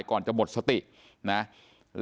แล้วก็ช่วยกันนำนายธีรวรรษส่งโรงพยาบาล